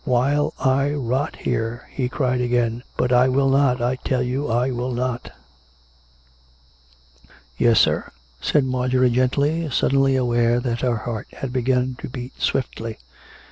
" While I rot here !" he cried again. " But I will not ! I tell you I will not !" "Yes, sir.''" said Marjorie gently, suddenly aware that her heart had begun to beat swiftly.